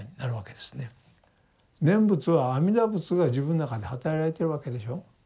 念仏は阿弥陀仏が自分の中ではたらいてるわけでしょう。